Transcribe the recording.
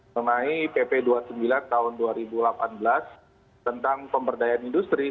mengenai pp dua puluh sembilan tahun dua ribu delapan belas tentang pemberdayaan industri